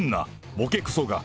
ボケクソが！